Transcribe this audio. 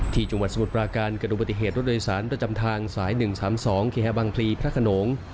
ที่จุงวัดสมุทรปราการกระดูกปฏิเหตุรถโดยสารรถจำทางสาย๑๓๒ขี่แห้วบางพลีพระขนง